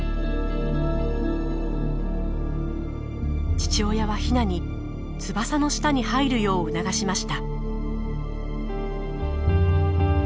父親はヒナに翼の下に入るよう促しました。